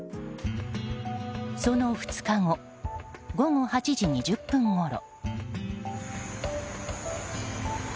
その２日後午後８時２０分ごろ。